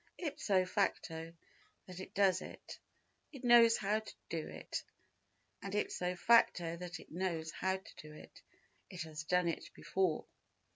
Ipso facto that it does it, it knows how to do it, and ipso facto that it knows how to do it, it has done it before.